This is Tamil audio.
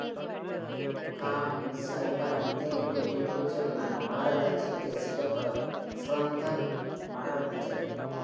காமன் சைன்ஃபாய்ன், தேன் குடிக்கும் பூச்சிகளினால் மகரந்தச் சேர்க்கை செய்யப்படும் திறந்த மகரந்தச் செடி